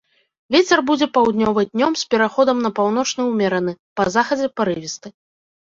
Вецер будзе паўднёвы, днём з пераходам на паўночны ўмераны, па захадзе парывісты.